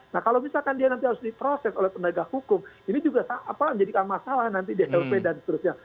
nah kalau misalkan dia nanti harus diproses oleh penegak hukum ini juga menjadikan masalah nanti di lp dan seterusnya